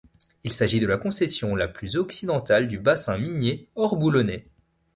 Il s'agit de la concession la plus occidentale du bassin minier hors Boulonnais.